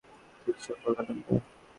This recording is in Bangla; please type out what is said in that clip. কিন্তু সফল হলেন না।